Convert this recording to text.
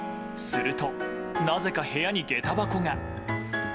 するとなぜか部屋に、げた箱が。